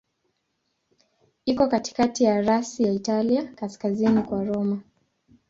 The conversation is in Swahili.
Iko katikati ya rasi ya Italia, kaskazini kwa Roma.